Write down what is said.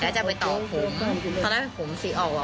จ่ายไปแล้วก็คือ